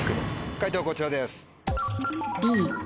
解答こちらです。